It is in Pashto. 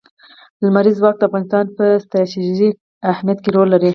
لمریز ځواک د افغانستان په ستراتیژیک اهمیت کې رول لري.